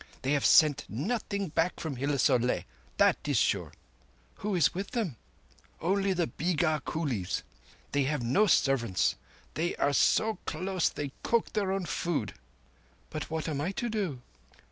They have sent nothing back from Hilás or Leh. That is sure." "Who is with them?" "Only the beegar coolies. They have no servants. They are so close they cook their own food." "But what am I to do?"